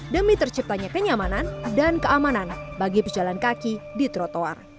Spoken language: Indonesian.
demi terciptanya kenyamanan dan keamanan bagi pejalan kaki di trotoar